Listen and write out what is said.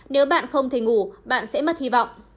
nếu bạn không thể ngủ bạn sẽ mất hy vọng